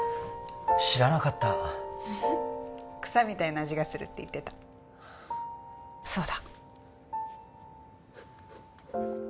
知らなかった草みたいな味がするって言ってたそうだ